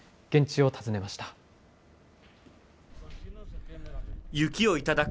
現地を訪ねました。